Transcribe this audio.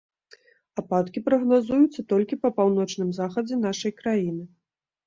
Ападкі прагназуюцца толькі па паўночным захадзе нашай краіны.